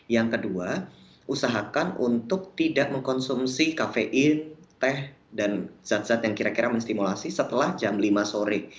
yang kedua usahakan untuk tidak mengkonsumsi kafein teh dan zat zat yang kira kira menstimulasi setelah jam lima sore